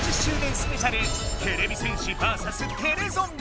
スペシャルてれび戦士バーサステレゾンビ。